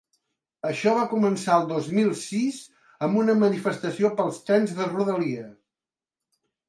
Això va començar el dos mil sis amb una manifestació pels trens de rodalia.